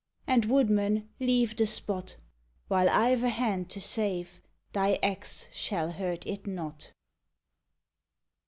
And, woodman, leave the spot; While I 've a hand to save. Thy axe shall hurt it not.